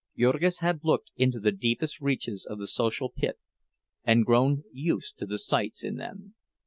Jurgis had looked into the deepest reaches of the social pit, and grown used to the sights in them.